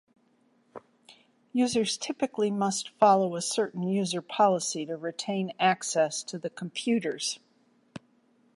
Users typically must follow a certain user policy to retain access to the computers.